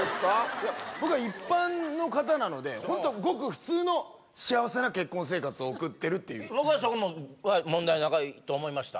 いや僕は一般の方なのでホントごく普通の幸せな結婚生活を送ってるっていう僕はそこは問題仲いいと思いました